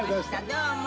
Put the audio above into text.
どうも。